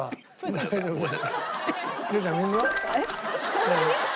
そんなに？